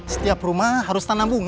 setiap rumah harus tanam bunga